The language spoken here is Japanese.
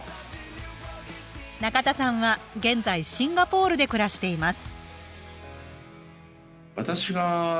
中田さんは現在シンガポールで暮らしています